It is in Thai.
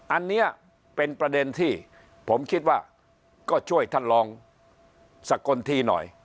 อันนี้เป็นประเด็นที่ผมคิดว่าก็ช่วยท่านลองสกลทีหน่อย